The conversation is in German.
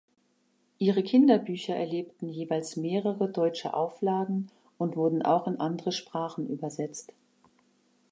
Ihre Kinderbücher erlebten jeweils mehrere deutsche Auflagen und wurden auch in andere Sprachen übersetzt.